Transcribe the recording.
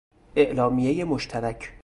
اعلامیهی مشترک